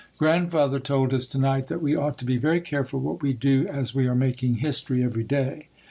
Grandfather told us to night that we ought to be very careful what we do as we are making history every day.